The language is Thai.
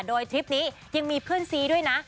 โดยทริปนี้ยังมีเพื่อนซีด้วยนะ